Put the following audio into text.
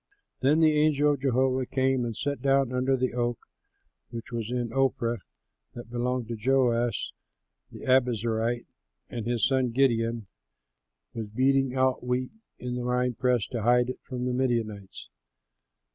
Then the angel of Jehovah came and sat down under the oak which was in Ophrah that belonged to Joash the Abiezerite; and his son, Gideon, was beating out wheat in the wine press to hide it from the Midianites.